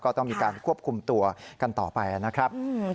ก็ต้องมีการควบคุมตัวกันต่อไปนะครับ